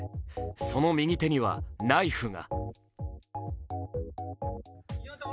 その右手にはナイフが。